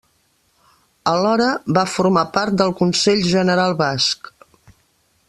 Alhora, va formar part del Consell General Basc.